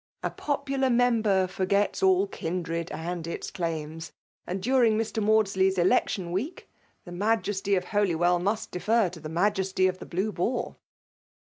A popular member forgets all kindred and its claims, and during Mr. Mandsley's election week, the majesty of Holy^ ^^ 114 FBMALB DOMINATION. well muBt defer to the majesty of the Blue Boar."